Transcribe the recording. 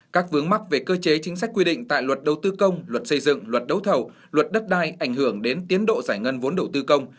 các vướng mắc về cơ chế chính sách quy định tại luật đầu tư công luật xây dựng luật đấu thầu luật đất đai ảnh hưởng đến tiến độ giải ngân vốn đầu tư công